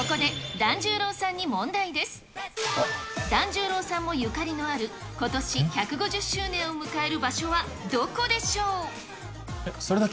團十郎さんもゆかりのあることし１５０周年を迎える場所はどこでそれだけ？